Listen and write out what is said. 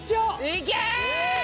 いけ！